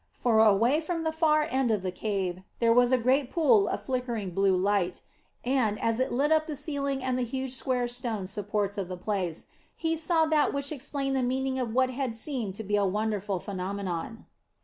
For, away toward the far end of the cave, there was a great pool of flickering blue light; and, as it lit up the ceiling and the huge square stone supports of the place, he saw that which explained the meaning of what had seemed to be a wonderful phenomenon.